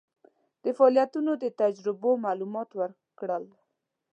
د فعالیتونو د نتیجو معلومات ورکړل.